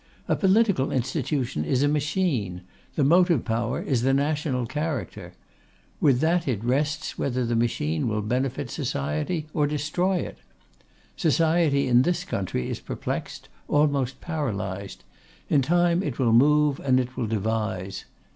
A political institution is a machine; the motive power is the national character. With that it rests whether the machine will benefit society, or destroy it. Society in this country is perplexed, almost paralysed; in time it will move, and it will devise.